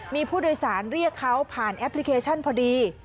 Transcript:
มีผู้โดยสารเรียกเขาผ่านแอปพลิเคชันพอดี